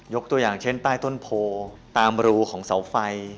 ตัวอย่างเช่นใต้ต้นโพตามรูของเสาไฟ